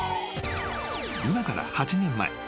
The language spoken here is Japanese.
［今から８年前］